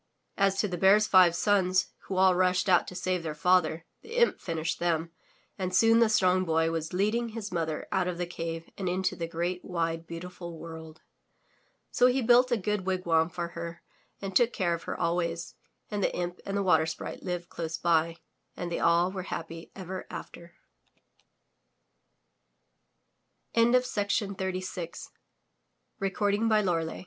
As to the Bear's five sons, who all rushed out to save their father, the imp finished them, and soon the Strong Boy was leading his mother out of the cave and into the great, wide, beautiful world. So he built a good wigwam for her and took care of her always, and the imp and the Water Sprite lived close by, and they all were happy ever after.